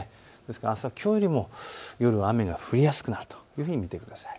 あすはきょうよりも雨が降りやすくなると見てください。